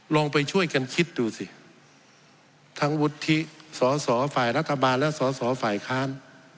ลองไปช่วยกันคิดดูสิทั้งวุฒิสอสอฝ่ายรัฐบาลและสอสอฝ่ายค้าน